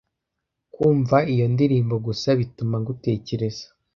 Kumva iyo ndirimbo gusa bituma ngutekereza.